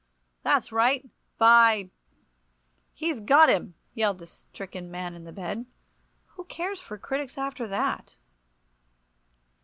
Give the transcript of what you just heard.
"That's right. By —— he's got him!" yelled the stricken man in the bed. Who cares for critics after that?